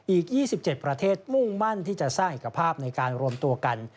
อีก๒๗ประเทศมุ่งมั่นที่จะสร้างเอกภาพในการรวมตัวกัน